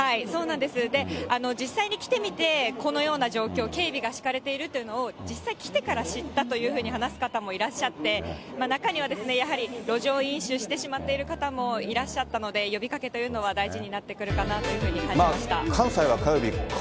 実際に来てみて、このような状況、警備が敷かれているというのを実際来てから知ったと話す方もいらっしゃって、中にはやはり路上飲酒してしまっている方もいらっしゃったので、呼びかけというのは、明星麺神